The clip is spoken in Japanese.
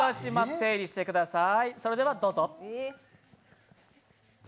整理してください。